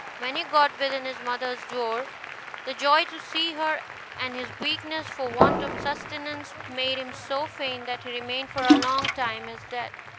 When he got within his mother's door, the joy to see her and his weakness for want of sustenance made him so faint that he remained for a long time as dead.